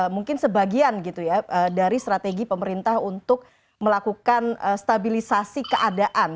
mungkin sebagian gitu ya dari strategi pemerintah untuk melakukan stabilisasi keadaan